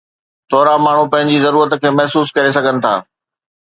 ٿورا ماڻهو پنهنجي ضرورت کي محسوس ڪري سگھن ٿا.